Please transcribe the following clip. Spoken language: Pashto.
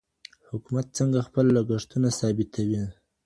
حکومت څنګه خپل لګښتونه ثابتوي؟